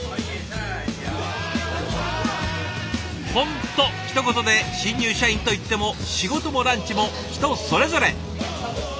本当ひと言で新入社員といっても仕事もランチも人それぞれ。